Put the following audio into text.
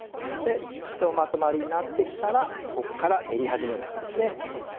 でひとまとまりになってきたらここから練り始めるわけですね。